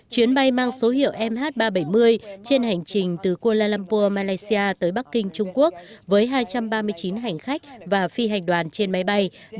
chuyến bay mang số hiệu mh ba trăm bảy mươi trên hành trình từ kuala lumpur malaysia tới bắc kinh trung quốc với hai trăm ba mươi chín hành khách và phi hành đoàn trên máy bay